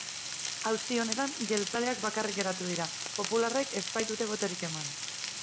Auzi honetan jeltzaleak bakarrik geratu dira, popularrek ez baitute botorik eman.